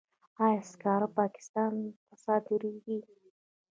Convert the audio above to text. آیا سکاره پاکستان ته صادریږي؟